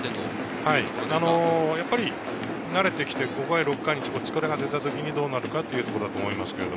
やっぱり慣れてきて５回、６回、疲れて来たときにどうなるかだと思います。